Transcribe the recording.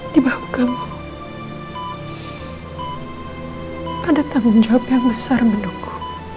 di bawah kamu ada tanggung jawab yang besar untukku